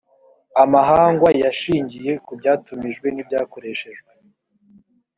amahanga yashingiye ku byatumijwe n’ibyakoreshejwe.